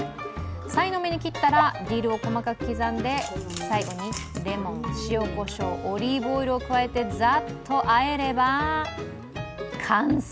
さいの目に切ったらディルを細かく切って最後にレモン、塩こしょう、オリーブオイルを加えてざっと和えれば、完成。